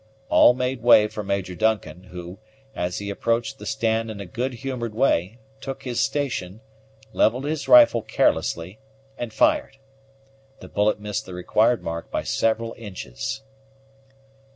All made way for Major Duncan, who, as he approached the stand in a good humored way, took his station, levelled his rifle carelessly, and fired. The bullet missed the required mark by several inches.